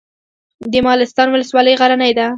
د مالستان ولسوالۍ غرنۍ ده